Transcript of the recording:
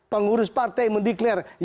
pengurus partai mendeklarasi